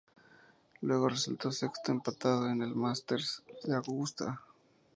Luego resultó sexto empatado en el Masters de Augusta.